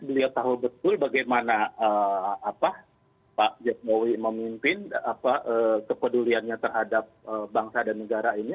beliau tahu betul bagaimana pak jokowi memimpin kepeduliannya terhadap bangsa dan negara ini